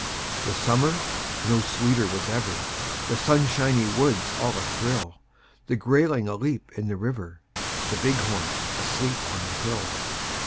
The summer no sweeter was ever; The sunshiny woods all athrill; The grayling aleap in the river, The bighorn asleep on the hill.